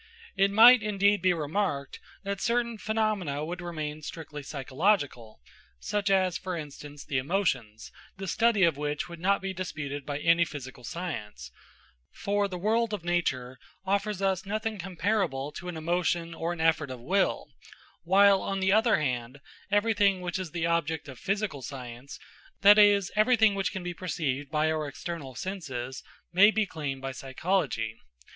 It might, indeed, be remarked that certain phenomena would remain strictly psychological, such as, for instance, the emotions, the study of which would not be disputed by any physical science; for the world of nature offers us nothing comparable to an emotion or an effort of will, while, on the other hand, everything which is the object of physical science that is, everything which can be perceived by our external senses may be claimed by psychology.